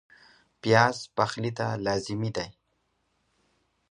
پیاز پخلي ته لازمي دی